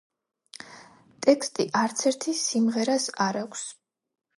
ტექსტი არც ერთი სიმღერას არ აქვს.